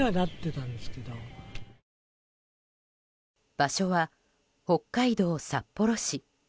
場所は、北海道札幌市。